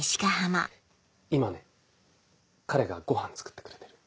今ね彼がごはん作ってくれてる。